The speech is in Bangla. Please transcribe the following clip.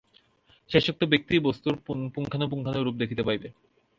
শেষোক্ত ব্যক্তিই বস্তুর পুঙ্খানুপুঙ্খ রূপ দেখিতে পাইবে।